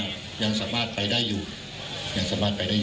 คุณผู้ชมไปฟังผู้ว่ารัฐกาลจังหวัดเชียงรายแถลงตอนนี้ค่ะ